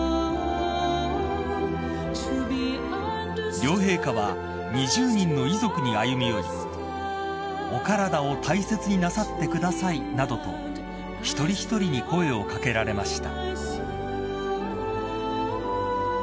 ［両陛下は２０人の遺族に歩み寄り「お体を大切になさってください」などと一人一人に声を掛けられました］